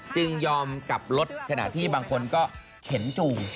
ยอมกลับรถขณะที่บางคนก็เห็นจู่